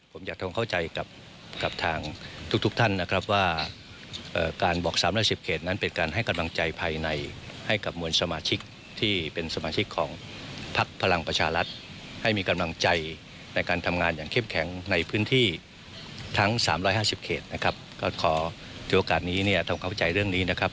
ผมอยากทรงเข้าใจกับทางทุกท่านนะครับว่าการบอก๓๕๐เครตนั้นเป็นการให้กำลังใจภายในให้กับมวลสมาชิกที่เป็นสมาชิกของภักดิ์พลังประชารัฐให้มีกำลังใจในการทำงานอย่างเข้มแข็งในพื้นที่ทั้ง๓๕๐เครตนะครับ